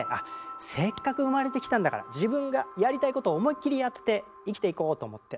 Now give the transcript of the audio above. せっかく生まれてきたんだから自分がやりたいことを思いっきりやって生きていこうと思って。